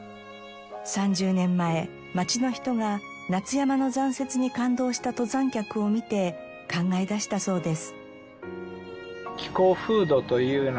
３０年前町の人が夏山の残雪に感動した登山客を見て考え出したそうです。